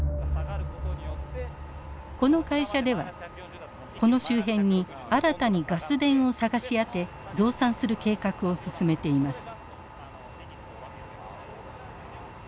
この会社ではこの周辺に新たにガス田を探し当て増産する計画を進めています。